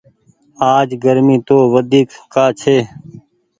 آج گرمي تو وڍيڪ ڪآ ڇي۔